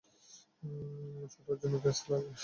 চুদার জন্য তেজ লাগে।